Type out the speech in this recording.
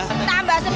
tambah semangat kita